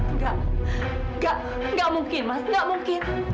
enggak enggak enggak mungkin mas enggak mungkin